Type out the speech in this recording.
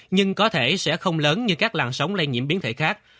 nhưng có thể sẽ không lớn như các làn sóng lây nhiễm biến thể khác